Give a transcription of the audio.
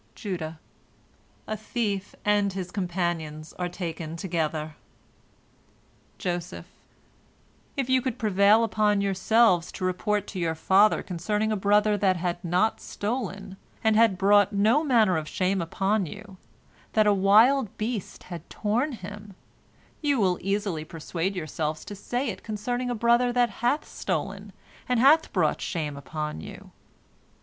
Judah: "A thief and his companions are taken together." Joseph: "If you could prevail upon yourselves to report to your father concerning a brother that had not stolen, and had brought no manner of shame upon you, that a wild beast had torn him, you will easily persuade yourselves to say it concerning a brother that hath stolen, and hath brought shame upon you.